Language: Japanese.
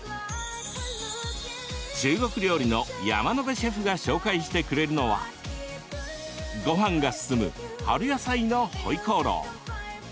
中国料理の山野辺シェフが紹介してくれるのはごはんが進む春野菜のホイコーロー。